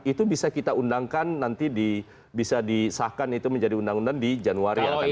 itu bisa kita undangkan nanti bisa disahkan itu menjadi undang undang di januari yang akan datang